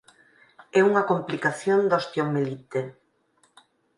É unha complicación da osteomielite.